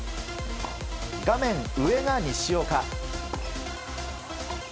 画面上が西岡。